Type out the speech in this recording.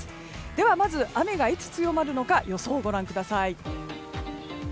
では、まず雨がいつ強まるのか予想をご覧ください。